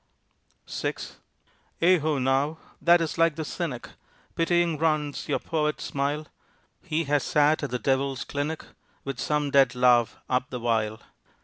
VI "Ai ho now! that is like the cynic," Pitying runs your poet smile, "He has sat at the Devil's clinic With some dead love up the while."